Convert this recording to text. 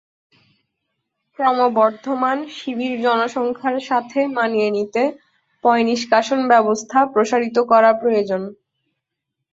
ক্রমবর্ধমান শিবির জনসংখ্যার সাথে মানিয়ে নিতে পয়ঃনিষ্কাশন ব্যবস্থা প্রসারিত করা প্রয়োজন।